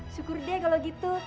syukur deh kalo gitu